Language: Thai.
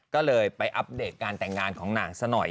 เก่งเก่งเก่งเก่งเก่งเก่ง